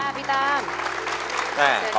สวัสดีครับพี่ตั้ม